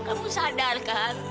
kamu sadar kan